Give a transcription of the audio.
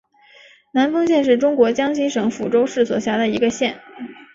南丰县是中国江西省抚州市所辖的一个县。